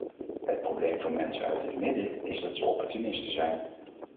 Het probleem van mensen uit het midden is dat ze opportunisten zijn.